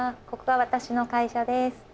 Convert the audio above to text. ここが私の会社です。